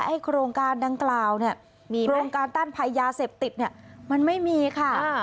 ให้โครงการดังกล่าวโครงการต้านภัยยาเสพติดมันไม่มีค่ะ